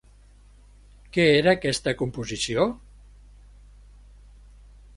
Què era aquesta composició?